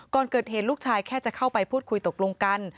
ก่อนเกิดเหตุลูกชายแค่จะเข้าไปพูดคุยตกลงกัน